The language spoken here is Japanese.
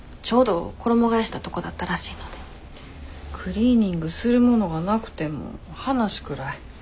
クリーニングするものがなくても話くらい。